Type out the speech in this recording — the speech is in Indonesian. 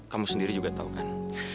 kamu sendiri juga tahu kan